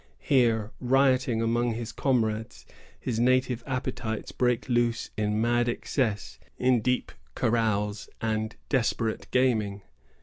Here, rioting among his comrades, his native appetites break loose in mad excess, in deep carouse, and desperate gaming.